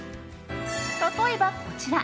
例えばこちら。